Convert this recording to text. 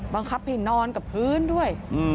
บังคับให้นอนกับพื้นด้วย